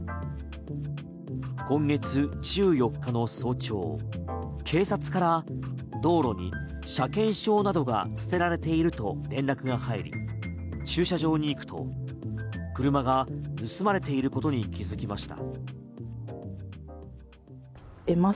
今月１４日の早朝、警察から道路に車検証などが捨てられていると連絡が入り駐車場に行くと車が盗まれていることに気づきました。